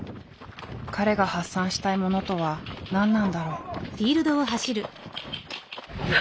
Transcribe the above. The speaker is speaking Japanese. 彼が発散したいものとは何なんだろう？